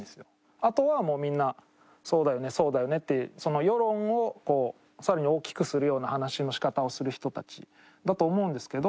あとはもうみんな「そうだよねそうだよね」って世論を更に大きくするような話の仕方をする人たちだと思うんですけど。